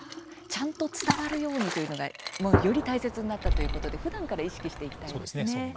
ちゃんと伝わるようにというのがより大切になったということで、ふだんから意識していきたいですね。